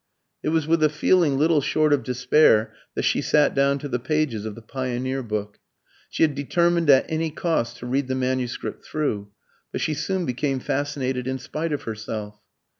It was with a feeling little short of despair that she sat down to the pages of the Pioneer book. She had determined at any cost to read the manuscript through; but she soon became fascinated in spite of herself.